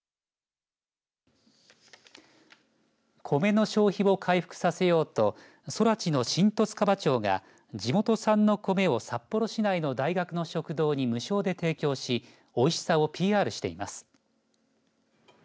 コメの消費を回復させようと空知の新十津川町が地元産のコメを札幌市内の大学の食堂に無償で提供しおいしさをＰＲしています。